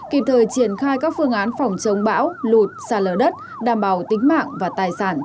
kịp thời triển khai các phương án phòng chống bão lụt xa lở đất đảm bảo tính mạng và tài sản cho nhân dân